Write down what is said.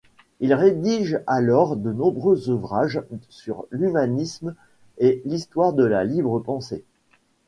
Il rédige alors de nombreux ouvrages sur l'humanisme et l'histoire de la libre pensée.